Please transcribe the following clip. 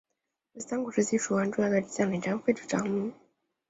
为三国时期蜀汉重要将领张飞之长女。